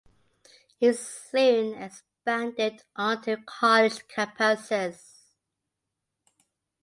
It soon expanded onto college campuses.